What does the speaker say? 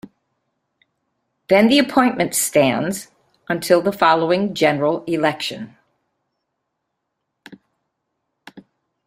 Then the appointment stands until the following general election.